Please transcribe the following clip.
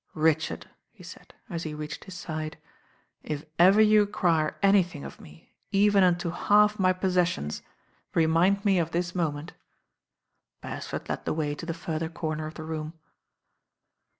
"Richard," he said, as he reached his side, "if ever you require anything of me, even unto half my possessions, remind me of this moment." Beresford led the way to 'the further corner of the room.